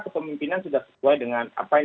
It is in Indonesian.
kepemimpinan sudah sesuai dengan apa yang